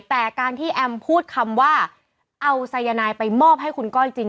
แต่การที่แอมพูดคำว่าเอาสายนายไปมอบให้คุณก้อยจริง